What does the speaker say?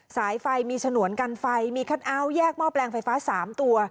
สายไฟมีฉนวนกันไฟมีคันอาวแยกมอบแรงไฟฟ้า๓ตัว